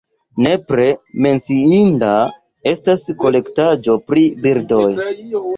Nepre menciinda estas kolektaĵo pri birdoj.